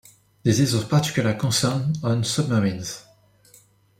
This is of particular concern on submarines.